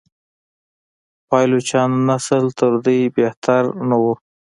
پایلوچانو نسل تر دوی بهتر نه و.